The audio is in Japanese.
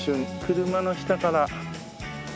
車の下からうん。